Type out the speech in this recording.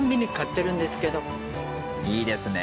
いいですね。